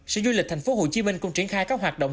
sở du lịch tp hcm cũng triển khai các hoạt động